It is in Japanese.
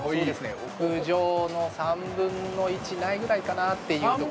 ◆屋上の３分の１ないぐらいかなっていうところ。